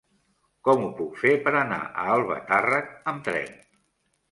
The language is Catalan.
Com ho puc fer per anar a Albatàrrec amb tren?